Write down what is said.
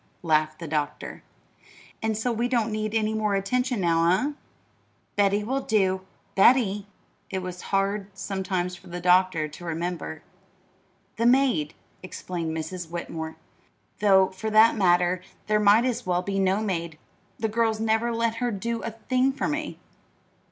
laughed the doctor. "And so we don't need any more attention now, eh?" "Betty will do." "Betty?" It was hard, sometimes, for the doctor to remember. "The maid," explained Mrs. Whitmore; "though, for that matter, there might as well be no maid the girls never let her do a thing for me."